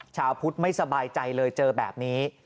ชาวพุทธไม่สบายใจเลยเจอแบบนี้